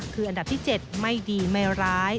คืออันดับที่๗ไม่ดีไม่ร้าย